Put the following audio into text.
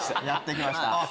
やって来ました。